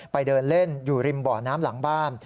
เดินเล่นอยู่ริมบ่อน้ำหลังบ้าน